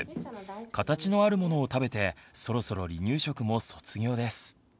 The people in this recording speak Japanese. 形のあるものを食べてそろそろ離乳食も卒業です。